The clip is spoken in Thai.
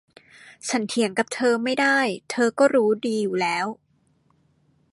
ฉันเถียงกับเธอไม่ได้ เธอก็รู้ดีอยู่แล้ว